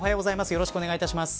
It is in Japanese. よろしくお願いします。